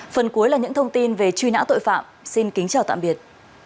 phần cuối là những thông tin về truy nã tội phạm xin kính chào tạm biệt